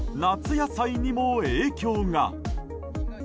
野菜にも影響が。